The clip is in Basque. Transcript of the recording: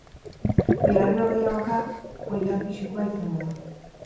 Bigarren norgehiagoka, oilar pisukoa izango da.